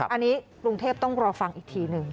อันนี้กรุงเทพต้องรอฟังอีกทีหนึ่ง